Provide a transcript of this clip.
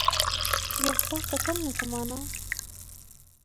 بيا ستا کتل نو څه معنا